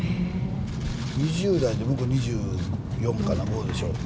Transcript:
２０代で向こう２４かな、５でしょ？